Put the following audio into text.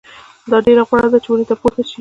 دا ډېره غوره ده چې ونې ته پورته شئ.